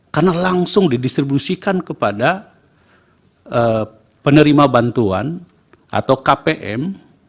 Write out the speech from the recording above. karena langsung didistribusikan kepada penerima bantuan atau kpm